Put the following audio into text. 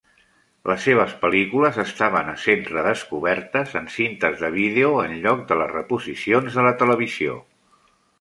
Les seves pel·lícules estaven essent redescobertes en cintes de vídeo en lloc de les reposicions de la televisió.